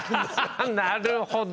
なるほど！